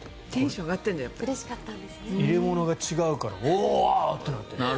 入れ物が違うからおー！ってなってる。